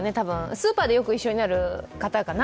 スーパーでよく一緒になる方かな？